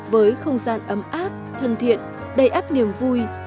với không gian ấm áp thân thiện đầy áp niềm vui